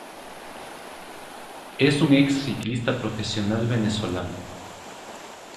Es un ex-ciclista profesional venezolano.